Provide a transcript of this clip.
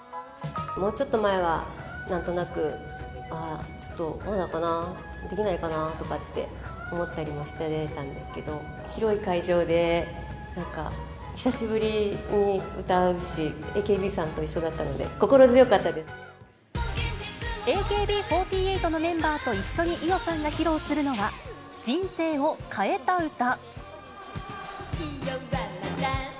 もうちょっと前は、なんとなく、ああ、ちょっとまだかな、できないかなとかって思ったりもしたんですけど、広い会場でなんか久しぶりに歌うし、ＡＫＢさんと一緒だったので、ＡＫＢ４８のメンバーと一緒に伊代さんが披露するのは、人生を変えた歌。